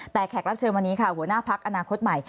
แต่แขกรับเชิญวันนี้ค่ะหัวหน้าพักอนาคตใหม่